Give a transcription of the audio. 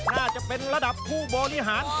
น่าจะเป็นระดับผู้บริหาร